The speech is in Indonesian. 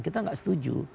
kita enggak setuju